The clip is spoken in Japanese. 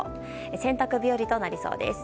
洗濯日和となりそうです。